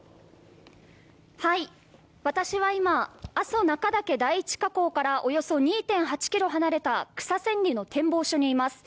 私は今、阿蘇中岳第一火口からおよそ３キロ離れた草千里の展望所にいます。